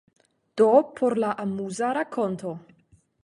Do por la amuza rakonto.